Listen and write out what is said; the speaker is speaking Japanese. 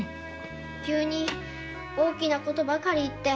急に大きなことばかり言って。